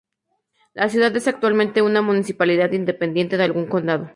La ciudad es actualmente una municipalidad independiente de algún condado.